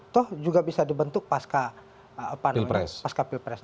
toh juga bisa dibentuk pasca pilpres